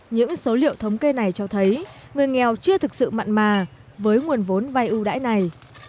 những số liệu thống kê này cho thấy người nghèo chưa thực sự mặn mà với nguồn vốn vai ưu đãi này